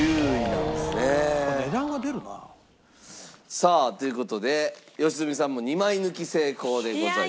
さあという事で良純さんも２枚抜き成功でございます。